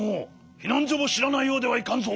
ひなんじょもしらないようではいかんぞ！